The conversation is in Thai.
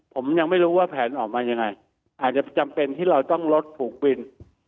ผมยังไม่รู้ว่าแผนออกมายังไงอาจจะจำเป็นที่เราต้องลดผูกบิน